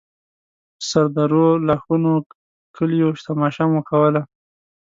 سردرو، لاښونو، کليو تماشه مو کوله.